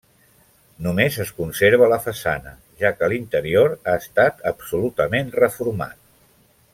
Només es conserva la façana, ja que l'interior ha estat absolutament reformat.